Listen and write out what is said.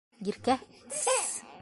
Иркә, тс-с-с!